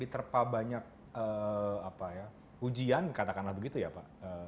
terpabanyak ujian katakanlah begitu ya pak